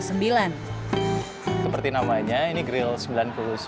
seperti namanya ini grill sembilan puluh sembilan